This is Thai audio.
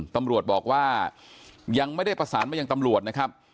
ตำรวจบอกว่ายังไม่ได้ประสานมายังตำรวจนะครับ